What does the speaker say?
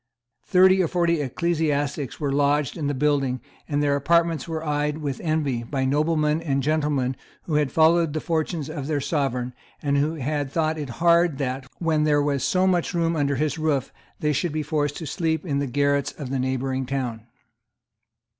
Thirty or forty ecclesiastics were lodged in the building; and their apartments were eyed with envy by noblemen and gentlemen who had followed the fortunes of their Sovereign, and who thought it hard that, when there was so much room under his roof, they should be forced to sleep in the garrets of the neighbouring town.